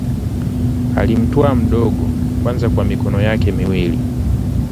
Alimtwaa mdogo kwanza kwa mikono yake miwili